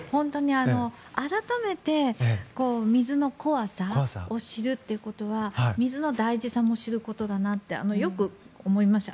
改めて水の怖さを知るということは水の大事さも知ることだなとよく思いました。